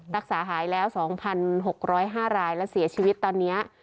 รักษาหายแล้ว๒๖๐๕รายและเสียชีวิตตอนนี้